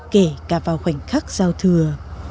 kể cả vào khoảnh khắc giao thừa